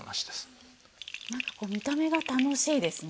なんかこう見た目が楽しいですね